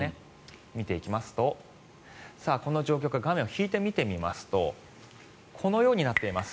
見ていきますとこの状況から画面を引いて見てみますとこのようになっています。